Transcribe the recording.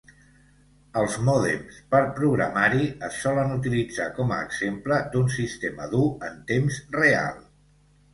Els mòdems per programari es solen utilitzar com a exemple d'un sistema dur en temps real.